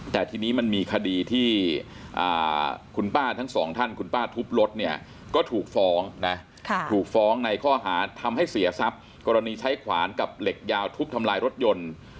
แต่ทีนี้มันมีคดีที่คุณป้าทั้งสองท่านคุณป้าทุบรถเนี่ยก็ถูกฟ้องนะถูกฟ้องในข้อหาทำให้เสียทรัพย์กรณีใช้ขวานกับเหล็กยาวทุบทำลายรถยนต์